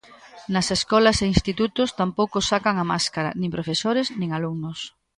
Nas escolas e institutos tampouco sacan a máscara: nin profesores nin alumnos.